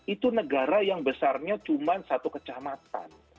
itu negara yang besarnya cuma satu kecamatan